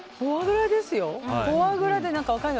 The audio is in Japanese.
フォアグラですよ。